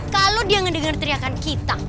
kalau dia mendengar teriakan kita